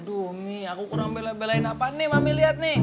aduh nih aku kurang bela belain apa nih mami lihat nih